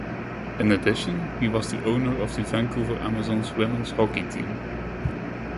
In addition, he was the owner of the Vancouver Amazons women's hockey team.